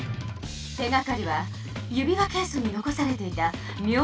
手がかりは指輪ケースに残されていたみょうな紙よ。